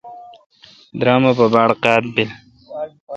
درم اے° پہ باڑ قاد بل۔